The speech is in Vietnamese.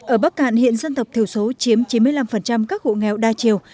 ở bắc cạn hiện dân tộc thiểu số chiếm chín mươi năm các hộ nghèo đa chiều